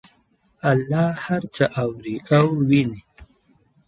الله هر څه اوري او ویني